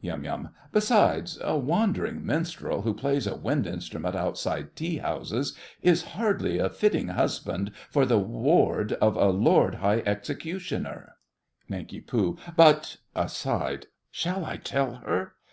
YUM. Besides—a wandering minstrel, who plays a wind instrument outside tea houses, is hardly a fitting husband for the ward of a Lord High Executioner. NANK. But—— (Aside.) Shall I tell her?